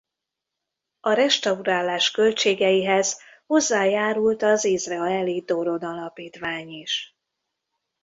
A restaurálás költségeihez hozzájárult az izraeli Doron Alapítvány is.